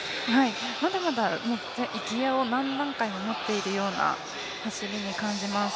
まだまだギアを何段階も持ってるような走りに感じます。